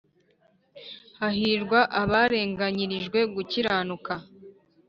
Hahirwa abarenganyirijwe gukiranuka